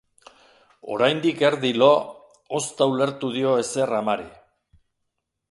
Oraindik erdi lo, ozta ulertu dio ezer amari.